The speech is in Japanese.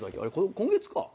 今月か。